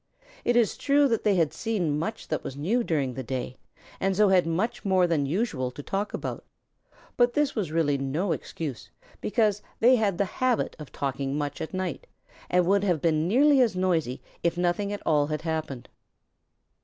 It is true that they had seen much that was new during the day, and so had more than usual to talk about, but this was really no excuse, because they had the habit of talking much at night and would have been nearly as noisy if nothing at all had happened.